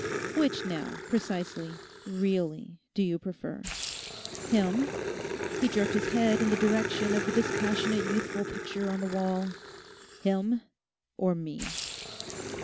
Which, now, precisely, really do you prefer—him,' he jerked his head in the direction of the dispassionate youthful picture on the wall, 'him or me?